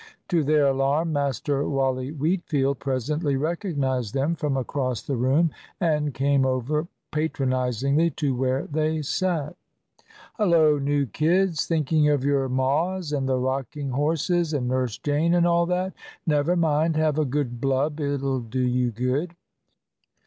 To their alarm, Master Wally Wheatfield presently recognised them from across the room, and came over patronisingly to where they sat. "Hullo, new kids! thinking of your mas, and the rocking horses, and Nurse Jane, and all that? Never mind, have a good blub, it'll do you good."